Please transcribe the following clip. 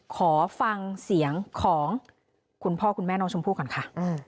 ขอฟังเสียงของคุณพ่อคุณแม่น้องชมพู่ก่อนค่ะ